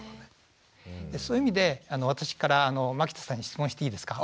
そういう意味で私から牧田さんに質問していいですか？